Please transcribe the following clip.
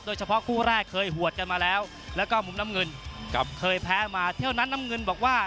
คู่แรกเคยหวดกันมาแล้วแล้วก็มุมน้ำเงินกลับเคยแพ้มาเที่ยวนั้นน้ำเงินบอกว่า